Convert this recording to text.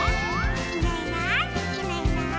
「いないいないいないいない」